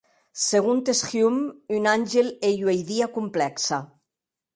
Segontes Hume, un àngel ei ua idia complèxa.